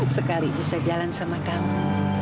sekali bisa jalan sama kamu